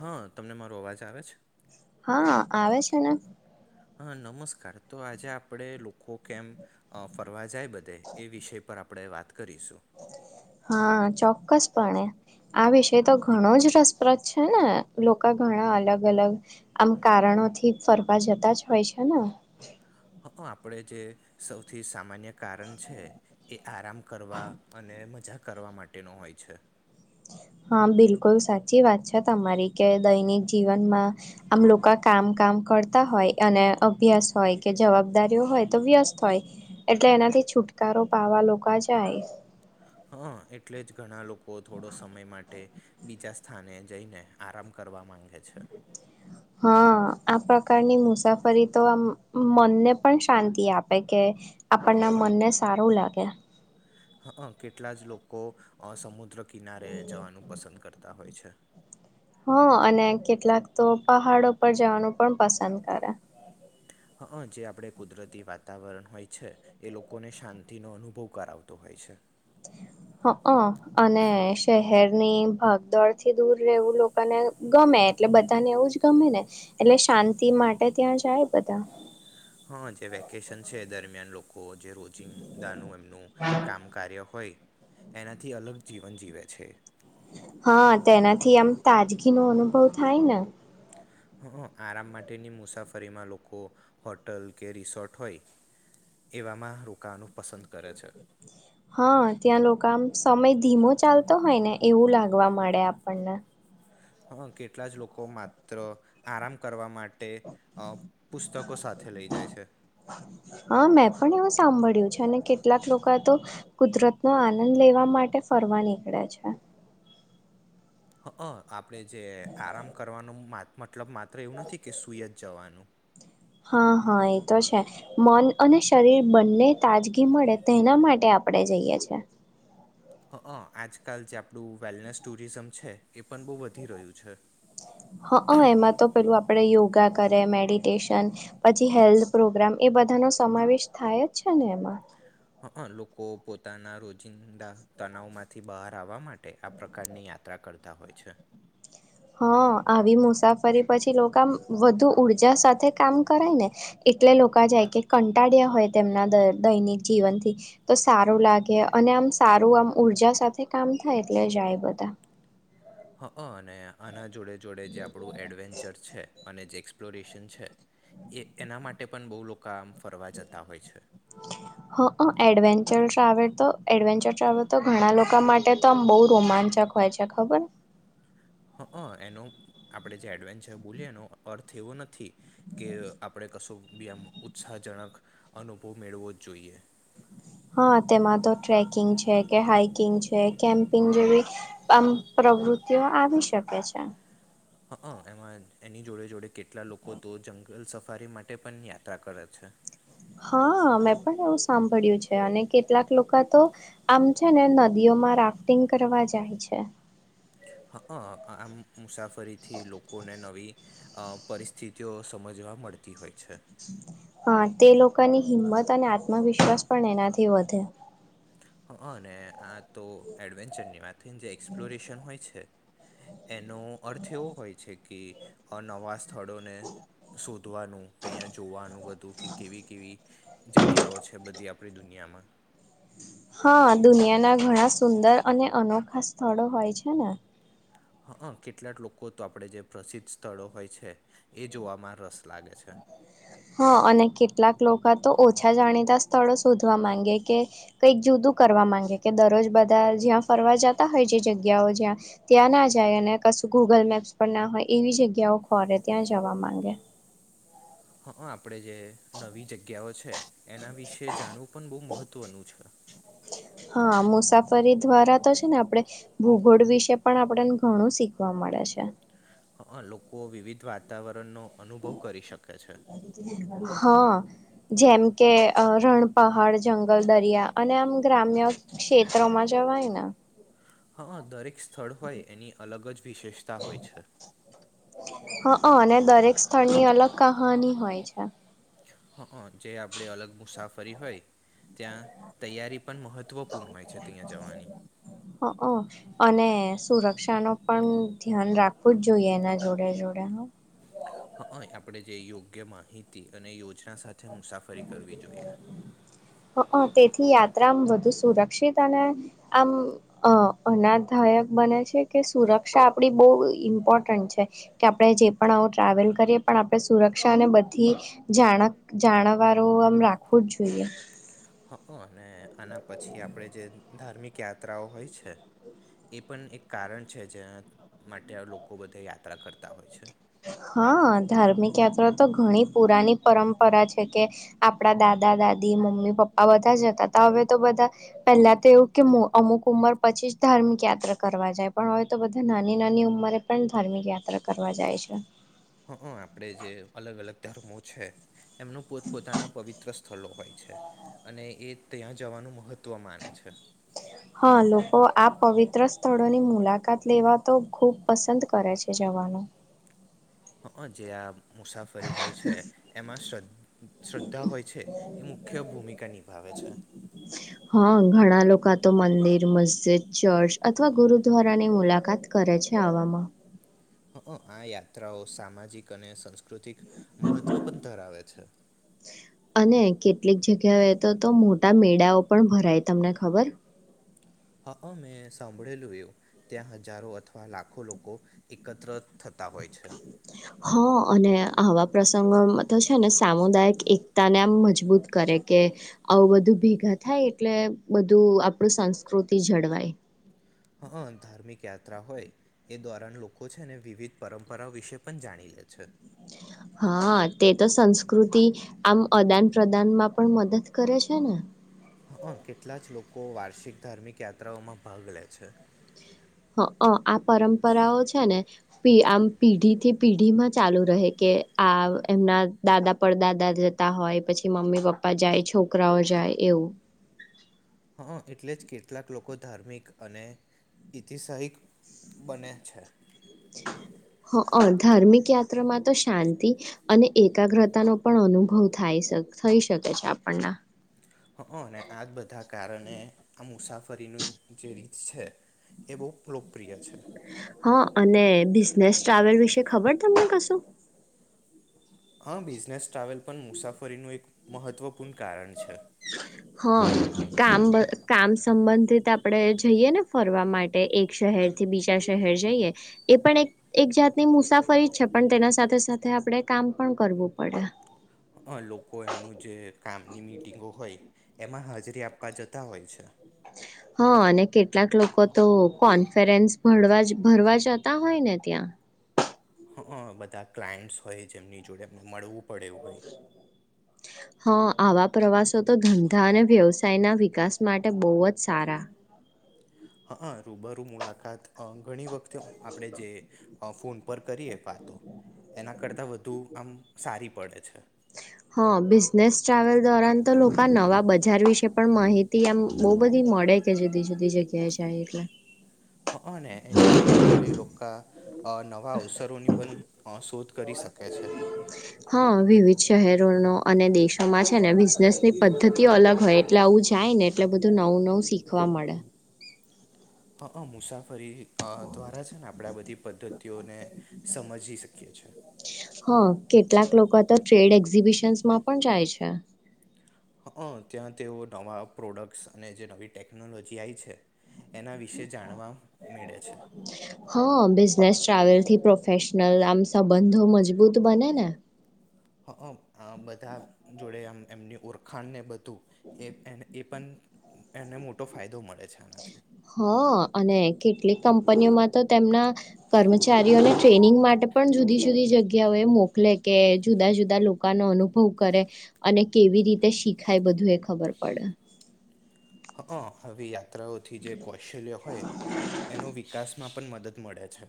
હા તમને મારો અવાજ આવે છે. હા આવે છે ને. હા નમસ્કાર તો આજે આપણે લોકો કેમ ફરવા જાય બધે એ વિષય પર આપણે વાત કરીશું. હા ચોક્કસપણે આ વિષય તો ઘણો જ રસપ્રદ છે ને લોકો ઘણા અલગ અલગ આમ કારણોથી ફરવા જતા જ હોય છે ને. હ આપણે જે સૌથી સામાન્ય કારણ છે એ. આરામ કરવા અને મજાક કરવા માટેનો હોય છે. હા બિલકુલ સાચી વાત છે તમારી કે દૈનિક જીવનમાં આમ લોકો કામ કામ કરતા હોય અને અભ્યાસ હોય કે જવાબદારીઓ હોય તો વ્યસ્ત હોય એટલે એનાથી છુટકારો પાવા લોકો જાય. હા એટલે જ ઘણા લોકો થોડો સમય માટે બીજા સ્થાને જઈને આરામ કરવા માંગે. થ છે. હા આ પ્રકારની મુસાફરી તો આ મનને પણ શાંતિ આપે કે આપણના મનને સારું લાગે. અહં કેટલા જ લોકો સમુદ્ર કિનારે જવાનું પસંદ કર તા હોય છે. હા અને કેટલાક તો પહાડો પર જવાનું પણ પસંદ કરે. અહં જે આપણે કુદરતી વાતાવરણ હોય છે એ લોકોને શાંતિનો અનુભવ કરાવતો હોય છે. અહં, અને શહેરની ભાગ દોડ થી દૂર રહેવું લોકોને ગમે એટલે બધાને એવું જ ગમે ને. એટલે શાંતિ માટે ત્યાં જાય બધા. હા જે વેકેશન છે એ દરમિયાન લોકો ઓજે રોજિંદાનું એમનું કામ કાર્ય હોય એનાથી અલગ જીવન જીવે છે. હા તેનાથી આમ તાજગી નો અનુભવ થાય ને. અહં. આરામ માટેની મુસાફરીમાં લોકો હોટલ કે રિસોર્ટ હોય એવામાં રોકાવાનું પસંદ કરે છે. હા. ત્યાં લોકો આમ સમય ધીમો ચાલતો હોય ને એવું લાગવા મળે આપણને. અહં. કેટલા જ લોકો માત્ર આરામ કરવા માટે અહ હા, મેં પણ એવું સાંભળ્યું છ અને કેટલાક લોકો તો કુદરત નો આનંદ લેવા માટે ફરવા નીકળે છે. અહં આપ પણે જે આરામ કરવાનું મા મતલબ માત્ર એવું નથી કે સુઈ જ જવાનું. હા, હા એ તો છે. મન અને શરીર બંને તાજગી મળે તેના માટે આપણે જઈએ છે. અ આજકાલ જે આપણું વેલનેસ ટુરિઝમ છે એ પણ બહુ વધી રહ્યું છે હા એમાં તો પેલું આપણેે યોગા ે મેડિટેશન પછી હેલ્થ પ્રોગ્રામ એ બધાનો સમાવેશ થાય જ છે ને એમાં હ લોકો પોતાના રોજિંદા તનાવમાંથી બહાર આવવા માટે આ પ્રકારની યાત્રા કરતા હોય છે હા આવી મુસાફરી પછી લોકો આમ વધુ ઉઊર્જા સાથે કામ કરાય ને એટલે લોકો જાય કે કંટાળ્યા હોય તેમના દૈનિક જીવનથી તો સારું લાગે અને આમ સારું આમ ઉઊર્જા સાથે કામ થાય એટલે જાય બધા હ અને અનાજ જોડે જોડે જે આપણું એડવેન્ચર છે અને જે એક્સપ્લોરેશન છે એ એના માટે પણ બહુ લોકો આમ ફરવા જતા હોય છે હા એડવેન્ચર ટ્રાવેલ તો એડવેન્ચર ટ્રાવેલ તો ઘણા લોકો માટે તો આમ બહ રોમાંચક હોય છે ખબર હ હ એનો આપણે જે એડવેન્ચર બોલીએ એનો અર્થ એવો નથી કે આપણે કશો બી આમ ઉત્સાહજનક અનુભવ મેળવો જ જોઈએ હા તેમાં તો ટ્રેકિંગ છે કે હાઈકિંગ છે કેમ્પિંગ જેવી આમ પ્રવૃતિઓ આવી શકે છે હ એમાં એની જોડે જોડે કેટલા લોકો તો જંગલ સફારી માટે પણ યાત્રા કરે છે હા મેં પણ એવું સાંભળ્યું છે અને કેટલાક લોકો તો આમ છે ને નદીઓમાં રાફ્ટિંગ કરવા જાય છે હ આમ મુસાફ ફરીથી લોકોને નવી અ પરિસ્થિતિઓ સમજવા મળતી હોય છે હા તે લોકોની હિંમત અને આત્મવિશ્વાસ પણ એનાથી વધે ને આ તો એડવેન્ચરની વાત થઈને જે એક્સપ્લોરેશન હોય છે એનો અર્થ એવો હોય છે કે નવા સ્થળોને સુ વધોધવાનું તો અહીંયા જોવાનું બધું કેવી કેવી જગ્યાઓ છે બધી આપણી દુનિયામાં હા દુનિયાના ઘણા સુંદર અને અનોખા સ્થળો હોય છે ને હ કેટલાક લોકો તો આપણે જે પ્રસિદ્ધ સ્થળો હોય છે એ જોવામાં રસ લાગે છે હા અને કેટલાક લોકો તો ઓછા જાણીતા સ્થળો શોધવા માંગે કે કઈક જુદું કરવા માંગે કે દરરોજ બધા જ્યાં ફરવા જતા હોય જે જગ્યાઓ જ્યાં ત્યાં ના જાય અને કશું ગૂગલ મેપ્સ પર ના હોય એવી જગ્યાઓ ખોરે ત્યાં જવા માંગે હ આપ આપણેે જે નવી જગ્યાઓ છે એના વિશે જાણવું પણ બહુ મહત્ત્વનું છે હા મુસાફરી દ્વારા તો છે ને આપણેે ભૂગોળ વિશે પણ આપડ ઘણું શીખવા મળે છે અ લોકો વિવિધ વાતાવરણનો અનુભવ કરી શકે છે હા જેમ કે રણ પહાડ જંગલ દરિયા અને આમ ગ્રામ્ય ક્ષેત્રોમાં જવાય ને હા દરેક સ્થળ હોય એની અલગ જ વિશેષતા હોય છે અ અને દરેક સ્થળની અલગ કહાની હોય છે હઅ જે આપડે અલગ મુસાફરી હોય ત્યાં તૈયારી પણ મહત્ત્વપૂર્ણ હોય છે ત્યાં જવાની હઅ અને સુરક્ષાનો પણ ધ્યાન રાખવું જ જોઈએ એના જોડે જોડે હ હઅ આપડે જે યોગ્ય માહિતી અને યોજના સા હઅ તેથી યાત્રા આમ વધુ સુરક્ષિત અને આમ અ અનાધાયક બને છે કે સુરક્ષા આપડી બહુ ઇમ્પોર્ટન્ટ છે કે આપણે જે પણ આવું ટ્રાવેલ કરીએ પણ આપણે સુરક્ષાને બધી જાણક જાણ કારો આમ રાખવું જ જોઈએ હઅ અને આના પછી આપડે જે ધાર્મિક યાત્રાઓ હોય છે એ પણ એક કારણ છે જેના માટે લોકો બધે યાત્રા કરતા હોય છે હા ધાર્મિક યાત્રા તો ઘણી પુરાની પરંપરા છે કે આપડા દાદા દાદી મમ્મી પપ્પા બધા જ જતાતા હવે તો બધા પહેલા તો એવું કે અમુક ઉંમર પછી જ ધાર્મિક યાત્રા કરવા જાય પણ હવે તો બધા નાની નાની ઉંમરે પણ ધાર્મિક યાત્રા કરવા જાય છે એ હઅ આપડે જે અલગ અલગ ધર્મો છે એમનું પોતપોતાના પવિત્ર સ્થળ હોય છે અને એ ત્યાં જવાનું મહત્વ માને છે હા લોકો આ પવિત્ર સ્થળોની મુલાકાત લેવા તો ખુબ પસંદ કરે છે જવાનું હઅ જે આ મુસાફરી હોય છે એમાં શ્રદ શ્રદ્ધા હોય છે એ મુખ્ય ભૂમિકા નિભાવે છે હા ઘણા લોકો તો મંદિર મસ્જિદ ચર્ચ અથવા ગુરુદ્વારાની મુલાકાત કરે છે આવામાં હઅ આ યાત્રાઓ સામાજિક અને સંસ્કૃતિક અને કેટલીક જગ્યાએ તો તો મોટા મેળાઓ પણ ભરાય તમને ખબર હઅ મેં સાંભળેલું એવુ ત્યાં હજારો અથવા લાખો લોકો એકત્ર થતા હોય છે હ અને આવા પ્રસંગોમાં તો છે ને સામુદાયિક એકતા ને આમ મજબૂત કરે કે આવું બધું ભેગા થાય એટલે બધું આપડુ સંસ્કૃતિ જળવાય હઅ ધાર્મિક યાત્રા હોય એ દ્વારા ન લોકો છે ને વિવિધ પરંપરા વિશે પણ જાણી લે છે હા તે તો સંસ્કૃતિ આમ અદાન પ્રદાનમાં પણ મદદ કરે છે ને હઅ કેટલા જ લોકો વાર્ષિક ધાર્મિક યાત્રાઓમાં ભાગ લે છે હઅ આ પરંપરાઓ છે ને પી આમ પીઢી થી પીઢીમાં ચાલુ રહે કે આ એમના દાદા પડદાદા જતા હોય પછી મમ્મી પપ્પા જાય છોકરાઓ જાય એવું હઅ એટલે જ કેટલાક લોકો ધાર્મિક અને ઈતિસાહિક બને છે હઅ ધાર્મિક યાત્રામાં તો શાંતિ અને એકાગ્રતા નો પણ અનુભવ થાય થઈ શકે છે આપણને હઅ અને આજ બધા કારને આ મુસાફર ફરીને જે રીત છે એ બહુ લોકપ્રિય છે હા અને બિઝનેસ ટ્રાવેલ વિશે ખબર તમને કશું હા બિઝનેસ ટ્રાવેલ પણ મુસાફરીનું એક મહત્ત્વ હ કામ બ કામ સંબંધિત આપણેે જઈએ ને ફરવા માટે એક શહેર થી બીજા શહેર જઈએ એ પણ એક એક જાતની મુસાફરી છે પણ તેના સાથે સાથે આપણે કામ પણ કરવું પડે અ લોકો એમનું જે કામ ની મીટિંગો હોય એમાં હાજરી આપવા જતા હોય છે હા અને કેટલાક લોકો તો કોન્ફડન્સ ભવા ભરવા જતા હોય ને ત્યાં હ બધા ક્લાયન્ટસ હોય જેમની જોડે એમને મળવું પડે એવું હોય હા આવા પ્રવાસ તો ધંધા અને વ્યવસાયના વિકાસ માટે બહુ જ સારા હા રૂબરૂું મુલાકાત ઘણી વખતે આપણે જે હા ફૂોન ર કરીએ પાતો એના કરતા વધુ બધું આમ સારી પડે છે હા બિઝનેસ ટ્રાવેલ દોરાન તો લોકો નવા બજાર વિશે પણ માહિતી આમ બહ બધી મળે કે જુદી જુદી જગ્યાએ જાય એટલે હ અને એની જોડે જોડે લોકો નવા અવસરોની પણ અ, શોધ કરી શકે છે હા વિવિધ શહેર અને દેશોમાં છે ને બિઝનેસ ની પદ્ધતિઓ અલગ હોય એટલે આવું જાય ને એટલે બધું નવું નવું શીખવા મળે હા હ મુસાફરી અ દ્વારા છે ને આપણે બધી પદ્ધતિઓને સમજી શકીએ છે હા કેટલાક લોકો તો ટ્રેડ એક્ઝિબિશન્સમાં પણ જાય છે ત્યાં તેઓ નવા પ્રોડક્ટ્સ અને જે નવી ટેકનોલોજી આવી છે એના વિશે જાણવા મે ળે છે ફેશનલ આમ સંબંધો મજબૂત બને ને હ બધા જોડે આમ એમની ઓળખાણને બધું એ એ પણ એ પણ એને મોટો ફાયદો મળે છે આનાથી હા અને કેટલીક કંપનીઓમાં તો તેમના કર્મચારીઓને ટ્રેનિંગ માટે પણ જુદી જુદી જગ્યાઓ એ મોકલે કે જુદા જુદા લોકોનો અનુભવ કરે અને કેવી રીતે શીખાય બધું એ ખબર પડે હ હવે [unintelligible] ઓથી જે કૌશલ્ય હોય એનો વિકાસમાં પણ મદદ મળે છે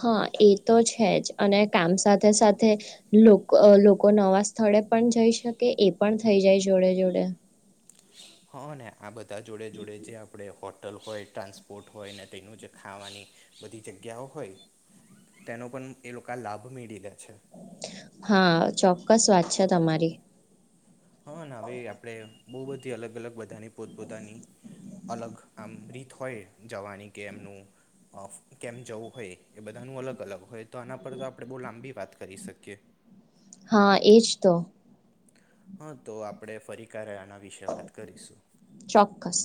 હા એ તો છે જ અને કામ સાથે સાથે લોકો નવા સ્થળે પણ જઈ શકે એ પણ થઈ જાય જોડે જોડે હા ને આ બધા જોડે જોડે જે આપણેે હો હોટલ હોય ટ્રાન્સપોર્ટ હોય ને તેનું જે ખાવાની બધી જગ્યાઓ હોય તેનો પણ એ લોકો લાભ મેળ લે છે હા ચોક્કસ વાત છે તમારી હા હવે આપડે બહુ બધી અલગ અલગ બધાની પોત પોતાની અલગ આમ રીત હોય જવાની કે એમનું કેમ જવું હોય એ બધાનું અલગ અલગ હોય તો આના પર તો આપણે બહુ લાંબી વાત કરી શકીએ હા એજ તો હા તો આપડે ફરી ક વિશે વાત કરીશું ચોક્કસ